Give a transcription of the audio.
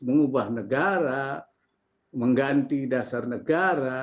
mengubah negara mengganti dasar negara